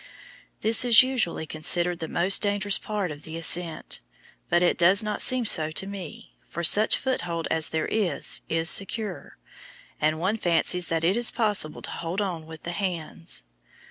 This is usually considered the most dangerous part of the ascent, but it does not seem so to me, for such foothold as there is is secure, and one fancies that it is possible to hold on with the hands.